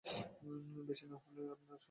বেশি না হলেও আপনার সমান সৈন্য সংখ্যা আমারও আছে।